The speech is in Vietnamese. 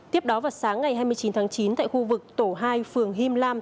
tiếp đó vào sáng ngày hai mươi chín tháng chín tại khu vực tổ hai phường him lam